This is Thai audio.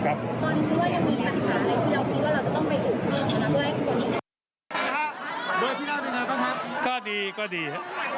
ไม่ยาก